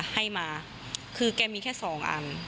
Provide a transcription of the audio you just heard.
ให้มาแกมีแค่สองอัน